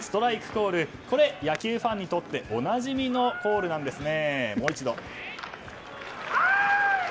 これは野球ファンにとっておなじみのコールなんですね。